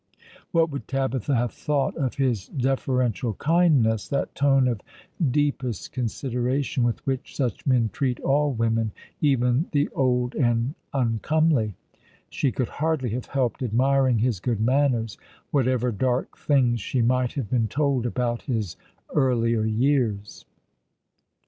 What would Tabitha have thought of his deferential kindness — that tone of deepest consideration with which such men treat all women, even the old and uncomely ? She could hardly have helped admiring his good manners, whatever dark things she might have been told about his earlier years.